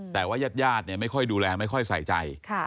แต่ว่ายาดไม่ค่อยดูแลไม่ค่อยใส่ใจ